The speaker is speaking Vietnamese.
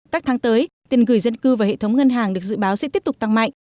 các tháng tới tiền gửi dân cư vào hệ thống ngân hàng được dự báo sẽ tiếp tục tăng mạnh